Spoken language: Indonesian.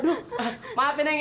bukan muhrimnya bang